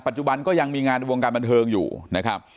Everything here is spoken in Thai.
จุบันก็ยังมีงานวงการบันเทิงอยู่นะครับ